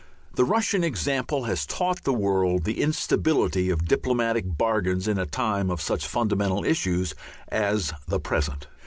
The Russian example has taught the world the instability of diplomatic bargains in a time of such fundamental issues as the present.